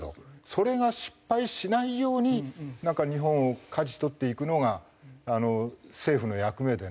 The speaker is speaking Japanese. それが失敗しないようになんか日本を舵取っていくのが政府の役目でね。